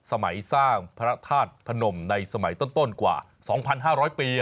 สมัยสร้างพระธาตุพนมในสมัยต้นกว่า๒๕๐๐ปี